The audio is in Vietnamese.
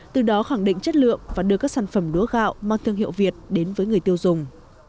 từ đó khẳng định chất lượng và đưa các sản phẩm lúa gạo mang thương hiệu việt đến với người tiêu dùng